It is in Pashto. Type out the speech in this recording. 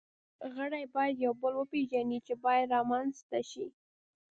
غړي باید یو بل وپېژني، چې باور رامنځ ته شي.